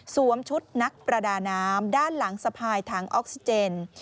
ชุดนักประดาน้ำด้านหลังสะพายถังออกซิเจน